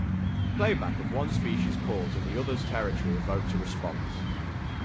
Playback of one species' calls in the other's territory evoked a response.